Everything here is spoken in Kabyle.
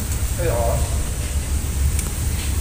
AyƔeṛ?